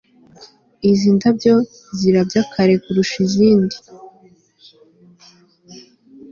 izi ndabyo zirabya kare kurusha izindi